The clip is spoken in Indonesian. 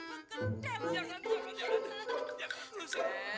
itu anak gua be